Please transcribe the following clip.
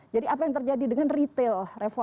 jadi apa yang terjadi dengan retail